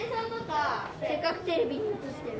せっかくテレビに映してる。